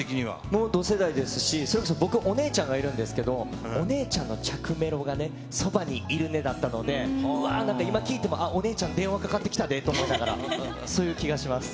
もうド世代ですし、それこそ僕、お姉ちゃんがいるんですけれども、お姉ちゃんの着メロがそばにいるねだったので、うわー、なんか今聴いてもお姉ちゃん、電話かかってきたでと思いながら、そういう気がします。